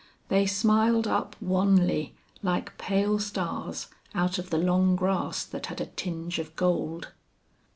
They smiled up wanly, like pale stars, out of the long grass that had a tinge of gold.